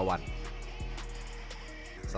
bagaimana menurut anda apa yang akan terjadi